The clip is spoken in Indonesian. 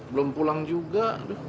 belum pulang juga